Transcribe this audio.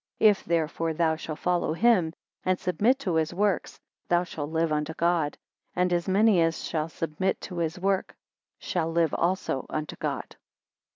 If therefore thou shall follow him, and submit to his works, thou shalt live unto God. And as many as shall submit to his work shall live also unto God.